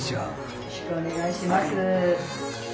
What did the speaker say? よろしくお願いします。